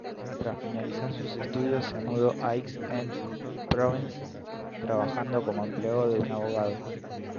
Tras finalizar sus estudios se mudó a Aix-en-Provence, trabajando como empleado de un abogado.